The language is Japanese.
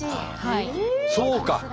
そうか。